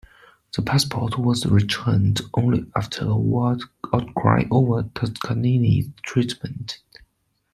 The passport was returned only after a world outcry over Toscanini's treatment.